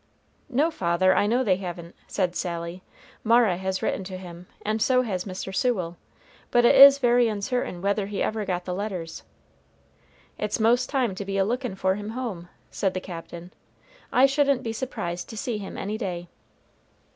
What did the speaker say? "No, father, I know they haven't," said Sally. "Mara has written to him, and so has Mr. Sewell, but it is very uncertain whether he ever got the letters." "It's most time to be a lookin' for him home," said the Captain. "I shouldn't be surprised to see him any day."